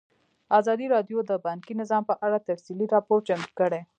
ازادي راډیو د بانکي نظام په اړه تفصیلي راپور چمتو کړی.